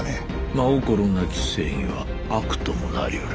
真心なき正義は悪ともなりうる。